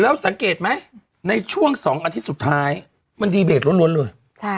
แล้วสังเกตไหมในช่วง๒อาทิตย์สุดท้ายมันดีเบตล้วนเลย